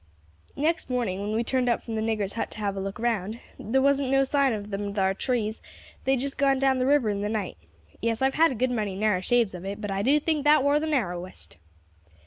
Next morning, when we turned out from the nigger's hut to have a look round, there wasn't no sign of them thar trees, they had just gone down the river in the night. Yes, I have had a good many narrow shaves of it, but I do think as that war the narrowest."